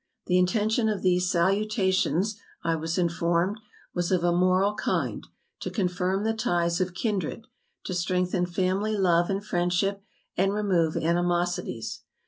The intention of these salutations, I was informed, was of a moral kind, to confirm the ties of kindred, to strengthen family love and friendship, and remove animosities.